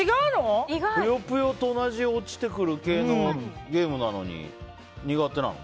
「ぷよぷよ」と同じ落ちてくる系のゲームなのに苦手なの？